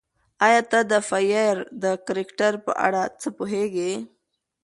ایا ته د پییر د کرکټر په اړه څه پوهېږې؟